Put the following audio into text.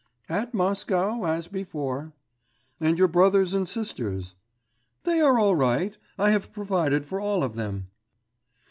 'At Moscow as before.' 'And your brothers and sisters?' 'They are all right; I have provided for all of them.